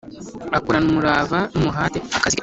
Akorana umurava nu muhate akazi ke